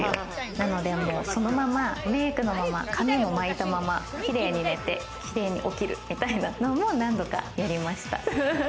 なので、そのままメイクのまま、髪も巻いたままキレイに寝て、キレイに起きるみたいなのも何度かやりました。